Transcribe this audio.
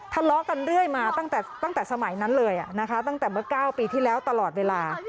ทะเลาะกันเรื่อยมาตั้งแต่สมัยนั้นเลยนะคะตั้งแต่เมื่อ๙ปีที่แล้วตลอดเวลา